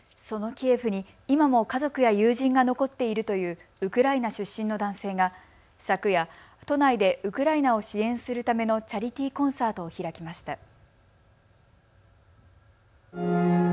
そのキエフに今も家族や友人が残っているというウクライナ出身の男性が昨夜、都内でウクライナを支援するためのチャリティーコンサートを開きました。